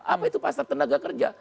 apa itu pasar tenaga kerja